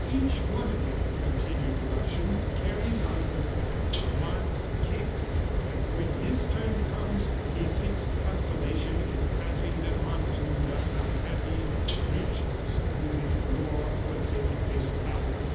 "Each one of them," continued the Russian, "carries on his back the marks of kicks, and when his turn comes, he seeks consolation in passing them on to the unhappy creatures whom war puts into his power.